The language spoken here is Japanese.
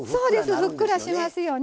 ふっくらしますよね。